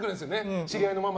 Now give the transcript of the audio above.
知り合いのママ。